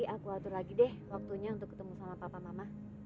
aku akan selalu menghormatinya